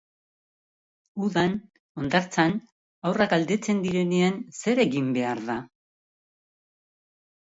Udan, hondartzan, haurrak galdetzen direnean, zer egin behar da?